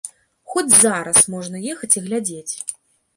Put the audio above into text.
Хоць зараз можна ехаць і глядзець!